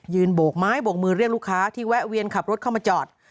โบกไม้โบกมือเรียกลูกค้าที่แวะเวียนขับรถเข้ามาจอด